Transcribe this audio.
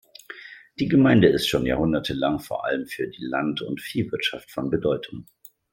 Die Gemeinde ist schon jahrhundertelang vor allem für die Land- und Viehwirtschaft von Bedeutung.